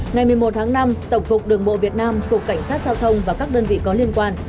ngày một mươi một tháng năm tổng cục đường bộ việt nam cục cảnh sát giao thông và các đơn vị có liên quan